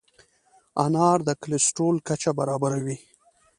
انار د کولیسټرول کچه برابروي.